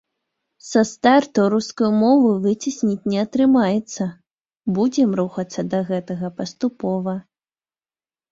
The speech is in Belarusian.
Са старту рускую мову выцесніць не атрымаецца, будзем рухацца да гэтага паступова.